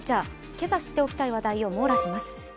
今朝知っておきたい話題を網羅します。